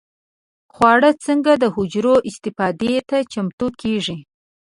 خواړه څنګه د حجرو استفادې ته چمتو کېږي؟